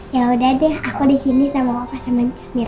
ya udah deh aku disini sama opa sama ancus mirna